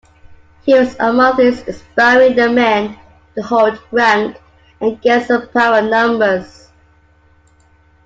He was among those inspiring the men to hold rank against superior numbers.